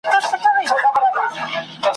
د رویبار مي سترګي سرې وې زما کاغذ دي وو سوځولی `